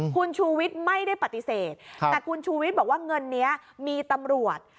คุณชูวิทย์ไม่ได้ปฏิเสธแต่คุณชูวิทย์บอกว่าเงินนี้มีตำรวจ